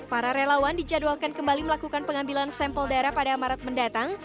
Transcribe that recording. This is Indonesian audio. para relawan dijadwalkan kembali melakukan pengambilan sampel darah pada maret mendatang